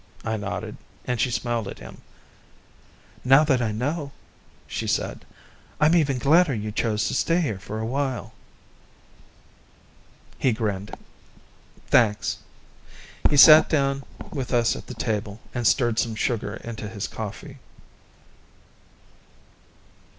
I nodded, and she smiled at him. "Now that I know," she said, "I'm even gladder you chose to stay here for a while." He grinned. "Thanks." He sat down with us at the table, and stirred some sugar into his coffee.